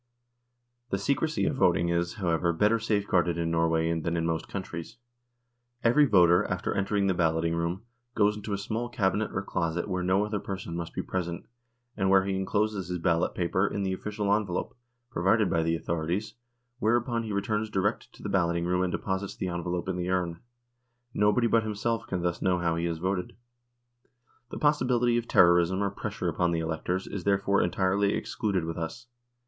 The secrecy of voting is, however, better safeguarded in Norway than in most countries. Every voter, after entering the balloting room, goes into a small cabinet or closet, where no other person must be present, and where he encloses his ballot paper in the official envelope, provided by the authorities, whereupon he returns direct to the balloting room and deposits the envelope in the urn. Nobody but himself can thus know how he has voted. The possibility of terrorism or pressure upon the electors is therefore entirely excluded with us.